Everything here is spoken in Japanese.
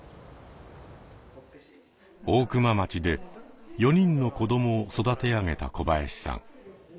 大熊町で４人の子どもを育て上げた小林さん。